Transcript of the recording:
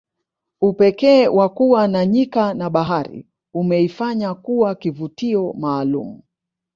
upekee wa kuwa na nyika na bahari umeifanya kuwa kivutio maalum